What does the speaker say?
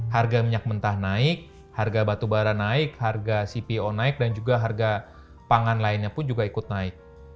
harga minyak mentah naik harga batubara naik harga cpo naik dan juga harga pangan lainnya pun juga ikut naik